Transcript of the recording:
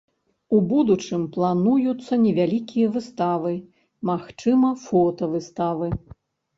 У будучым плануюцца невялікія выставы, магчыма фотавыставы.